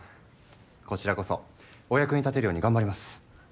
こちらこそお役に立てるように頑張ります。